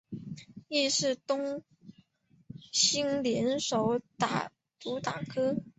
亦是庄冬昕联手主打歌。